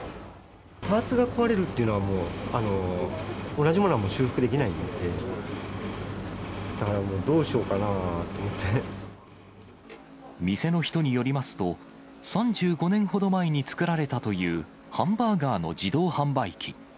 パーツが壊れるというのは、もう同じものはもう修復できないので、だからもう、どうしようか店の人によりますと、３５年ほど前に作られたというハンバーガーの自動販売機。